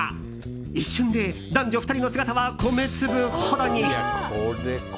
一瞬で男女２人の姿は米粒ほどに。